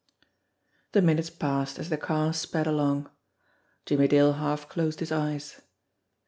The minutes passed as the car sped along. Jimmie Dale half closed his eyes.